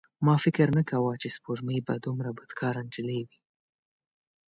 ما فکر نه کاوه چې سپوږمۍ به دومره بدکاره نجلۍ وي.